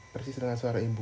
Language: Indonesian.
persis dengan suara ibu